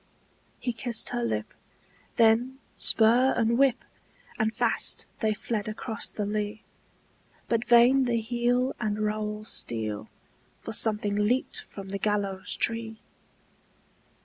He kissed her lip; then spur and whip! And fast they fled across the lea! But vain the heel and rowel steel, For something leaped from the gallows tree!